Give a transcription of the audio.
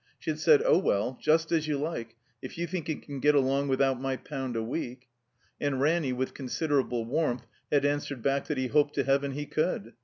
She had said, "Oh, well — ^just as you like. If you think you can get along without my pound a week." And Ranny, with considerable warmth, had answered back that he hoped to Heaven he could.